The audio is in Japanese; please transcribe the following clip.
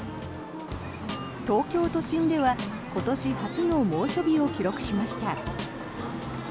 東京都心では今年初の猛暑日を記録しました。